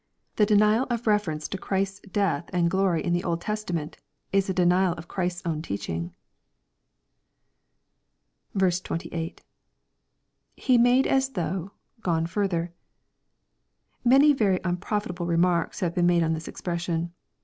The denial of reference to Christ's death and glory in the Old Testament, is a denial of Christ's own teach mg. 28. — [He made as though...gone further.] Many very unprofita ble remarks have been made on this expression.